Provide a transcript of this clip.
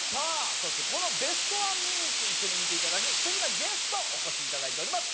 そしてこのベストワンミニッツ一緒に見ていただく素敵なゲストお越しいただいております